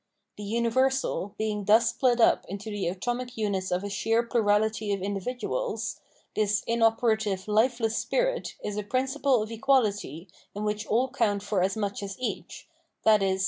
The universal being thus split up into the atomic units of a sheer plurality of individuals, this inoperative, lifeless spirit is a principle of equahty in which all count for as much as each, i.e.